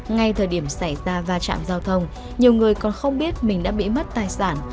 ngay thời điểm xảy ra va chạm giao thông nhiều người còn không biết mình đã bị mất tài sản